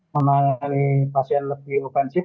memangani pasien lebih ofensif